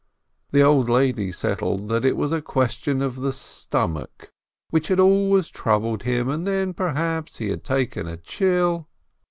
The old lady settled that it was a question of the stomach, which had always troubled him, and that perhaps he had taken a chill.